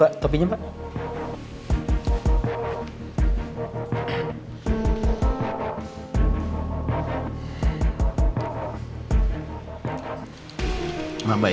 eh mbak silahkan mbak